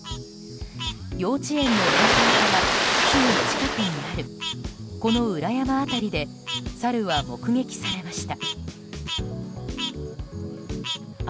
幼稚園の園庭からすぐ近くにあるこの裏山辺りでサルは目撃されました。